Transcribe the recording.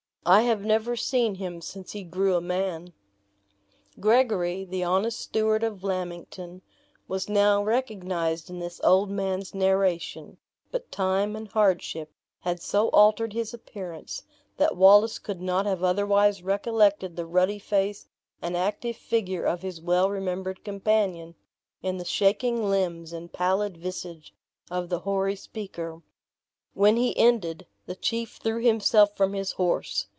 I have never seen him since he grew a man." Gregory, the honest steward of Lammington, was now recognized in this old man's narration; but time and hardship had so altered his appearance, that Wallace could not have otherwise recollected the ruddy face and active figure of his well remembered companion, in the shaking limbs and pallid visage of the hoary speaker. When he ended, the chief threw himself from his horse.